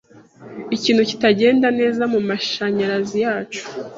Ikintu kitagenda neza mumashanyarazi yacu.